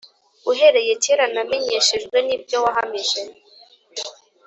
Uhereye kera namenyeshejwe n ibyo wahamije